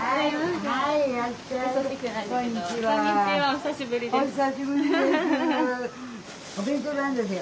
お久しぶりです。